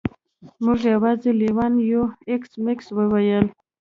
موږ یوازې لیوان یو ایس میکس وویل